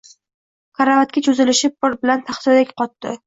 Karavotga cho`zilishi bilan taxtadek qotdi